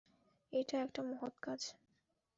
এটা একটা মহৎ কাজ।